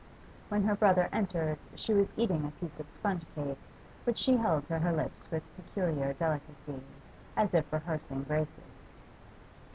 When her brother entered she was eating a piece of sponge cake, which she held to her lips with peculiar delicacy, as if rehearsing graces.